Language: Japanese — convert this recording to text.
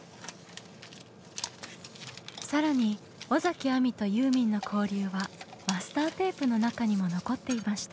更に尾崎亜美とユーミンの交流はマスターテープの中にも残っていました。